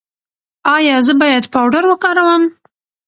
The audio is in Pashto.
ایا زه باید پاوډر وکاروم؟